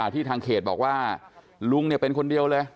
ที่ทางเขตบอกว่าลุงเป็นคนเดียวเลย